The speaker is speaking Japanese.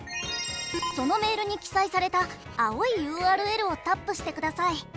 そのメールに記載された青いＵＲＬをタップしてください。